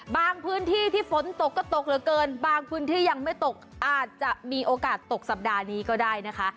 พื้นที่ที่ฝนตกก็ตกเหลือเกินบางพื้นที่ยังไม่ตกอาจจะมีโอกาสตกสัปดาห์นี้ก็ได้นะคะ